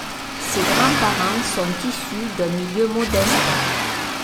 Ses grands-parents sont issus d'un milieu modeste.